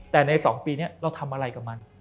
แต่ใน๒ปีนี้เราทำอะไรกับมัน